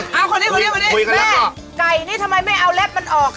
ถามเลยคุยกันแล้วค่ะแม่ไก่นี่ทำไมไม่เอาแล็บมันออกคะ